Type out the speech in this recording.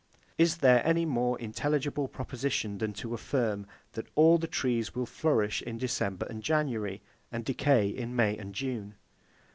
Is there any more intelligible proposition than to affirm, that all the trees will flourish in December and January, and decay in May and June?